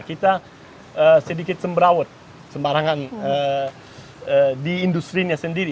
kita sedikit semberawet sembarangan di industri nya sendiri